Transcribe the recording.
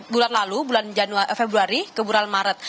bulan lalu bulan januari februari ke bulan maret